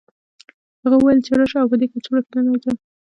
هغه وویل چې راشه او په دې کڅوړه کې ننوځه